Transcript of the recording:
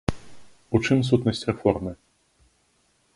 У чым сутнасць рэформы?